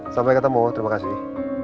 sampai ketemu terima kasih